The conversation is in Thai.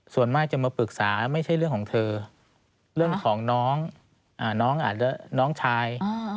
ส่วนมากจะมาปรึกษาไม่ใช่เรื่องของเธอเรื่องของน้องน้องอาจจะน้องชาย